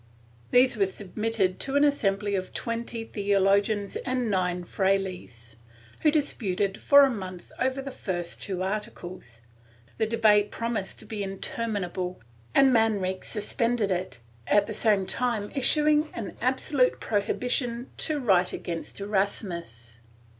These were submitted to an assembly of twenty theologians and nine frailes, who disputed for a month over the first two articles; the debate promised to be interminable, and Manrique suspended it, at the same time issuing an absolute prohibition to write against Erasmus.